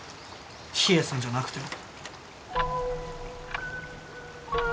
秘影さんじゃなくても。